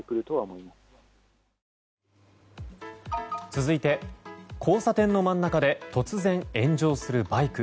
続いて交差点の真ん中で突然、炎上するバイク。